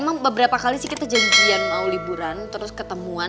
emang beberapa kali sih kita janjian mau liburan terus ketemuan